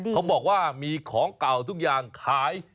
เขาบอกว่ามีของเก่าทุกอย่างขาย